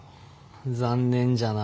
残念じゃな。